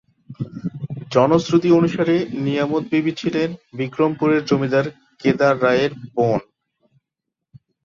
জনশ্রুতি অনুসারে নিয়ামত বিবি ছিলেন বিক্রমপুরের জমিদার কেদার রায়ের বোন।